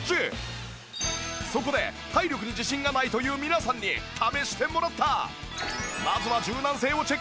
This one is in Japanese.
そこで体力に自信がないという皆さんに試してもらった！